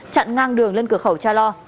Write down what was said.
chặn ngang đường lên cửa khẩu cha lo